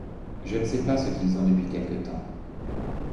Je ne sais pas ce qu'ils ont depuis quelque temps.